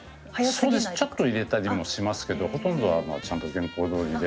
ちょっと入れたりもしますけどほとんどはまあちゃんと原稿どおりで。